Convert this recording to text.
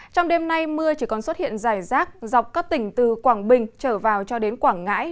trong đêm nay mưa chỉ còn xuất hiện dài rác dọc các tỉnh từ quảng bình trở vào cho đến quảng ngãi